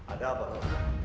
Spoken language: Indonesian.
ada apa bu